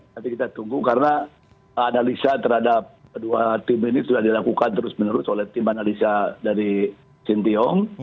tapi kita tunggu karena analisa terhadap kedua tim ini sudah dilakukan terus menerus oleh tim analisa dari sintiong